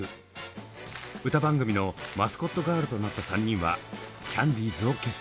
歌番組のマスコットガールとなった３人はキャンディーズを結成。